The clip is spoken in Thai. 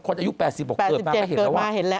คนอายุ๘๐มาก็เห็นแล้ว